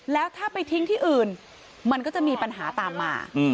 แล้วถ้าไปทิ้งที่อื่นมันก็จะมีปัญหาตามมา